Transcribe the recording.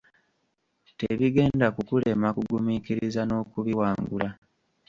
Tebigenda kukulema kugumiikiriza n'okubiwangula.